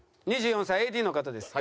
２４歳ＡＤの方です。